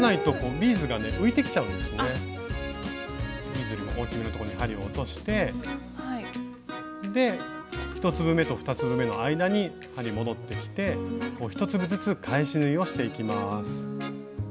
ビーズよりも大きめのところに針を落として１粒めと２粒めの間に針戻ってきて１粒ずつ返し縫いをしていきます。